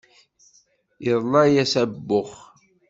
Iḍla-yas abux.